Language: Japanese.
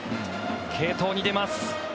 継投に出ます。